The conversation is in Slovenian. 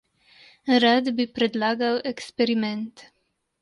Rad bi predlagal eksperiment.